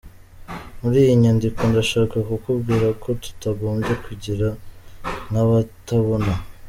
Muri iyi nyandiko ndashaka kukubwira ko tutagombye kwigira nkabatabona.